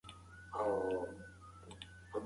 هغې اجازه ورنکړه چې زه بار ورسره پورته کړم.